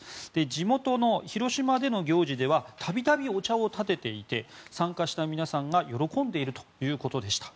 地元の広島での行事では度々、お茶をたてていて参加した皆さんが喜んでいるということでした。